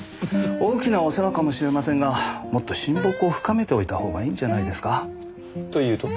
大きなお世話かもしれませんがもっと親睦を深めておいた方がいいんじゃないですか？と言うと？